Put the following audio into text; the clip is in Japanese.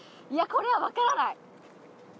いやこれはわからない。